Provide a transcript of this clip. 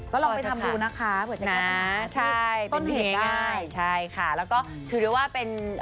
ก็ลองไปทำดูนะคะนะใช่ต้นเห็นได้ใช่ค่ะแล้วก็คือว่าเป็น